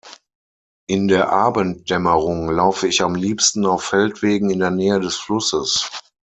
In der Abenddämmerung laufe ich am liebsten auf Feldwegen in der Nähe des Flusses.